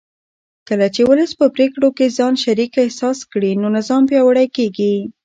کله چې ولس په پرېکړو کې ځان شریک احساس کړي نو نظام پیاوړی کېږي